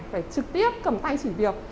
phải trực tiếp cầm tay chỉ việc